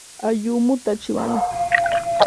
Ayumu Tachibana